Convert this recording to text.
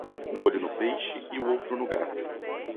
Um olho no peixe e o outro no gato.